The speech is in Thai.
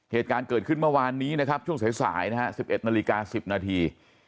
เหตุการณ์เกิดขึ้นเมื่อวานนี้นะครับช่วงสายนะฮะ๑๑นาฬิกา๑๐นาที